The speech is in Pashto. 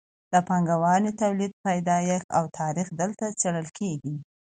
د پانګوالي تولید پیدایښت او تاریخ دلته څیړل کیږي.